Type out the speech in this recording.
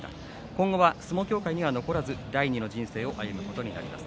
今後は相撲協会に残らず第二の人生を送ることになります。